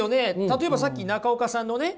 例えばさっき中岡さんのね